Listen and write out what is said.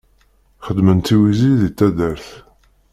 Xedmen tiwizi di taddart